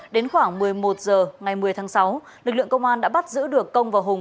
đến khoảng một mươi một h ngày một mươi tháng sáu lực lượng công an đã bắt giữ được công và hùng